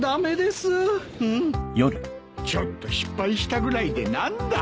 ちょっと失敗したぐらいで何だ。